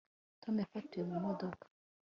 tom yafatiwe mu modoka